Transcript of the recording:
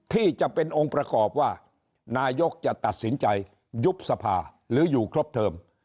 ที่จะเป็นองค์ประกอบว่านายกจะตัดสินใจยุบสภาหรืออยู่ครบเทิม